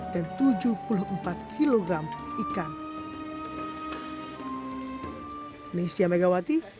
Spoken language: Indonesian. dan tujuh puluh empat kg ikan